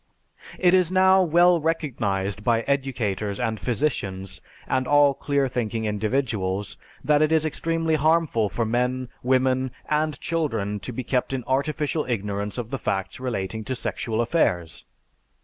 It is now well recognized by educators and physicians and all clear thinking individuals that it is extremely harmful for men, women, and children to be kept in artificial ignorance of the facts relating to sexual affairs.